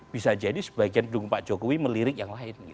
bisa jadi sebagian pendukung pak jokowi melirik yang lain